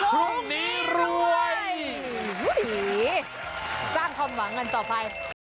พรุ่งนี้รวยสร้างความหวังกันต่อไป